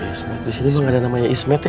ismet di sini kok gak ada namanya ismet ya